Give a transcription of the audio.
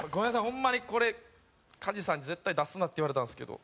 ホンマにこれ加地さんに「絶対出すな」って言われたんですけど。